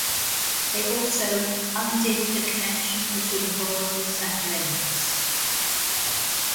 They also "undid the connection between borrowers and lenders".